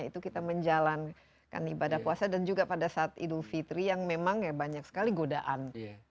itu kita menjalankan ibadah puasa dan juga pada saat idul fitri yang memang ya banyak sekali godaan